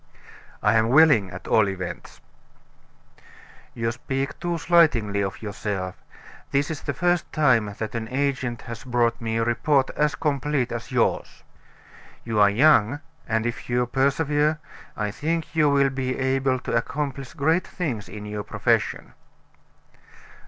"I am willing, at all events." "You speak too slightingly of yourself; this is the first time that an agent has brought me a report as complete as yours. You are young, and if you persevere, I think you will be able to accomplish great things in your profession."